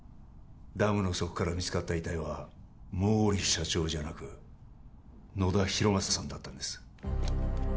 ダムの底から見つかった遺体は毛利社長じゃなく野田浩正さんだったんです